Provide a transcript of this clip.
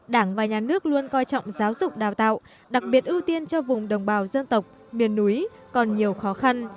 đảng và nhà nước luôn coi trọng giáo dục đào tạo đặc biệt ưu tiên cho vùng đồng bào dân tộc miền núi còn nhiều khó khăn